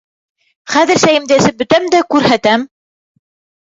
Хәҙер сәйемде эсеп бөтәм дә күрһәтәм!